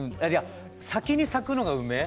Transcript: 先に咲くのが梅？